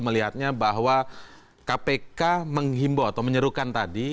melihatnya bahwa kpk menghimbau atau menyerukan tadi